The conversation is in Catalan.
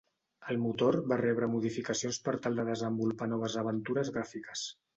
El motor va rebre modificacions per tal de desenvolupar noves aventures gràfiques.